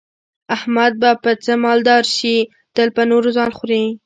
احمد به په څه مالدار شي، تل په نورو ځان خوري.